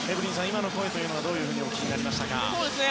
今の声はどういうふうにお聞きになりましたか？